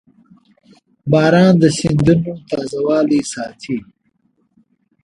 • باران د سیندونو تازهوالی ساتي.